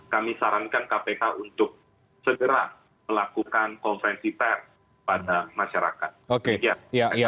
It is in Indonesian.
kami sarankan kpk untuk segera melakukan konferensi pers pada masyarakat